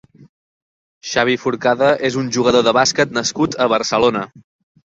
Xavi Forcada és un jugador de bàsquet nascut a Barcelona.